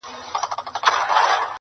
او غمجن غږ خپروي تل,